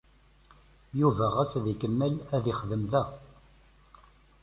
Yuba yeɣs ad ikemmel ad yexdem da.